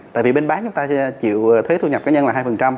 tại vì bên bán chúng ta chịu thuế thu nhập cá nhân là hai